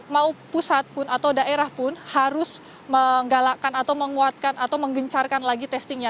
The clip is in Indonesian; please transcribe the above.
mau pusat pun atau daerah pun harus menggalakkan atau menguatkan atau menggencarkan lagi testingnya